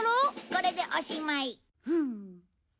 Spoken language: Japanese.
これでおしまい。